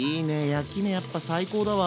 焼き目やっぱ最高だわ。